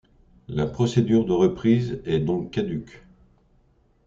La procédure de reprise est donc caduque.